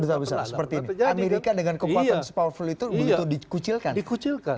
amerika dengan kekuatan se powerful itu begitu dikucilkan